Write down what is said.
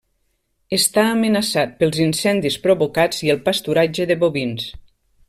Està amenaçat pels incendis provocats i el pasturatge de bovins.